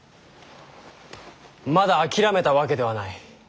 まだ諦めたわけではない。